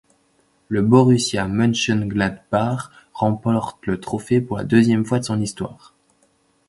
Le Borussia Mönchengladbach remporte le trophée pour la deuxième fois de son histoire.